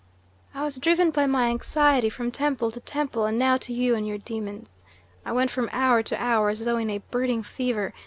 I was driven by my anxiety from temple to temple, and now to you and your demons. I went from hour to hour as though in a burning fever.